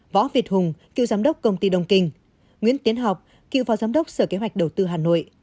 võ việt hùng cựu giám đốc công ty đông kinh nguyễn tiến học cựu phó giám đốc sở kế hoạch đầu tư hà nội